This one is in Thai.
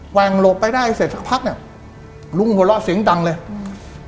ว่งหลบไปได้เสร็จสักพักเนี้ยลุงหัวเราะเสียงดังเลยอืม